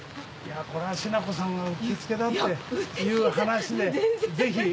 これは品子さんがうってつけだっていう話でぜひ。